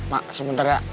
mak sebentar ya